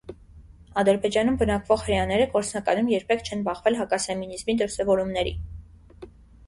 Ադրբեջանում բնակվող հրեաները գործնականում երբեք չեն բախվել հակասեմինիզմի դրսևորումների։